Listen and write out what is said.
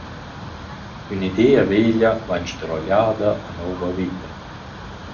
Ün’idea veglia vain sdruagliada a nouva vita.